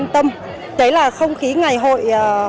tâm thế là không khí ngày hội